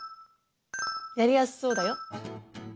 やりやすそうだよ。